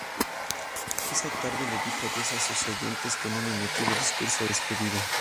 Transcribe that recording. Esa tarde, le dijo adiós a sus oyentes, con un emotivo discurso de despedida.